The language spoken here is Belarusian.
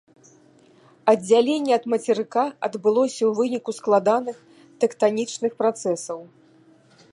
Аддзяленне ад мацерыка адбылося ў выніку складаных тэктанічных працэсаў.